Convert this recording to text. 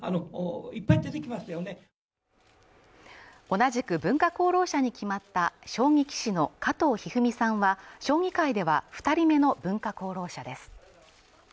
同じく文化功労者に決まった将棋棋士の加藤一二三さんは将棋界では二人目の文化功労者です